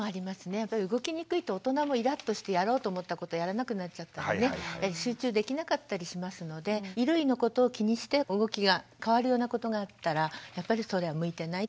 やっぱり動きにくいと大人もイラッとしてやろうと思ったことをやらなくなっちゃったりね集中できなかったりしますので衣類のことを気にして動きが変わるようなことがあったらやっぱりそれは向いてない。